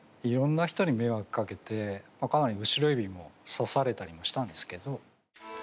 いろんな人に迷惑かけてかなり後ろ指もさされたりもしたんですけど。